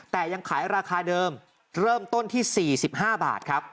แต่ยังขายราคาเดิมเริ่มต้นที่๔๕บาทครับ